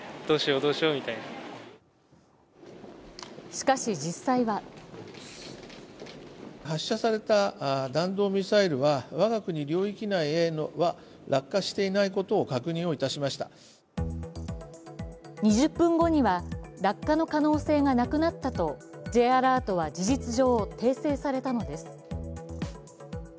しかし実際は２０分後には、落下の可能性がなくなったとＪアラートは事実上、訂正されたのです。